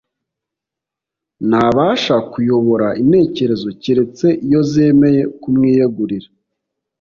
. Ntabasha kuyobora intekerezo keretse iyo zemeye kumwiyegurira